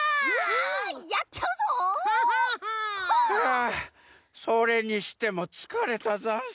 あそれにしてもつかれたざんす。